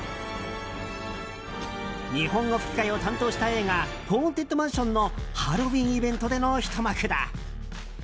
日本語吹き替えを担当した映画「ホーンテッドマンション」のハロウィーンイベントでのひと幕だ。